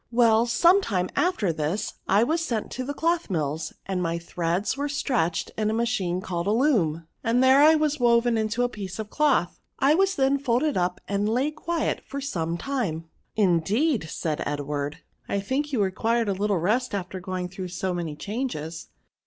Well, some time after this I was sent to the cloth mills, and my threads were stretched in a machine called a loom, and there I was woven into a piece of cloth. I was then folded up, and lay quiet for some time." " Indeed," said Edward, " I think you required a little rest after going through so many changes."